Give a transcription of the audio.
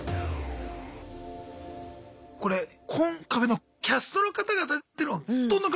これコンカフェのキャストの方々ってのはどんな感じなんすか？